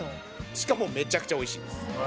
しかもめちゃくちゃ美味しいです。